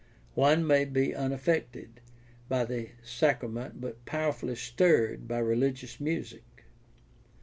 One may be unaffected by the sacrament but powerfully stirred by religious music.